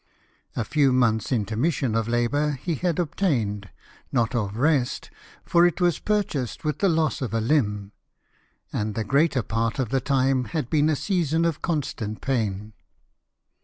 A few months' intermission of labour he had obtained — not of rest, for it was pur chased with the loss of a limb ; and the greater part of the time had been a season of constant pain.